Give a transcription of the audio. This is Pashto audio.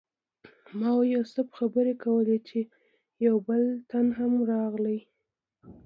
ما او یوسف خبرې کولې چې یو بل تن هم راغی.